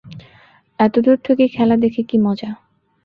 এতদূর থেকে খেলা দেখে কী মজা?